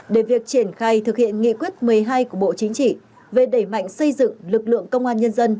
để việc triển khai thực hiện nghị quyết một mươi hai của bộ chính trị về đẩy mạnh xây dựng lực lượng công an nhân dân